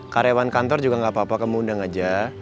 karyawan kantor juga nggak apa apa kamu undang aja